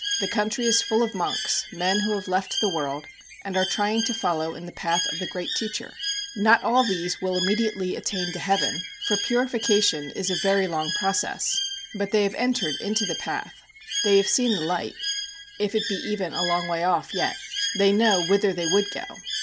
The country is full of monks, men who have left the world, and are trying to follow in the path of the great teacher. Not all these will immediately attain to heaven, for purification is a very long process; but they have entered into the path, they have seen the light, if it be even a long way off yet. They know whither they would go.